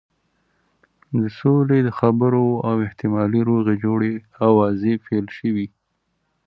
د سولې د خبرو او احتمالي روغې جوړې آوازې پیل شوې.